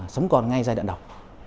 sống còn ngay giai đoạn đầu